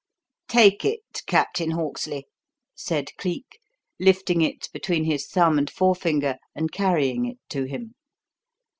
"Take it, Captain Hawksley," said Cleek, lifting it between his thumb and forefinger and carrying it to him.